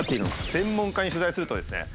専門家に取材するとですね